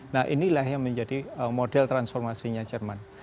nah inilah yang menjadi model transformasinya jerman